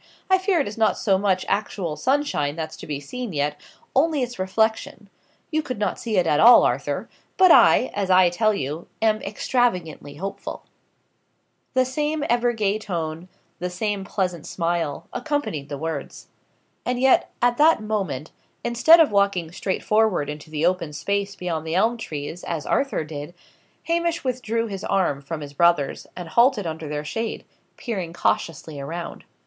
"I fear it is not so much actual sunshine that's to be seen yet only its reflection. You could not see it at all, Arthur; but I, as I tell you, am extravagantly hopeful." The same ever gay tone, the same pleasant smile, accompanied the words. And yet, at that moment, instead of walking straightforward into the open space beyond the elm trees, as Arthur did, Hamish withdrew his arm from his brother's, and halted under their shade, peering cautiously around.